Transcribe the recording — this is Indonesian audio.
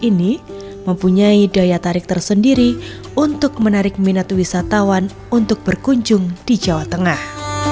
ini mempunyai daya tarik tersendiri untuk menarik minat wisatawan untuk berkunjung di jawa tengah